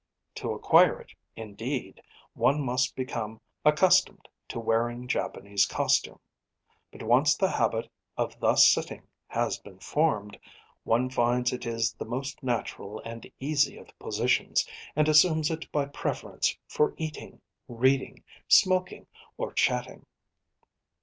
To acquire it, indeed, one must become accustomed to wearing Japanese costume. But once the habit of thus sitting has been formed, one finds it the most natural and easy of positions, and assumes it by preference for eating, reading, smoking, or chatting.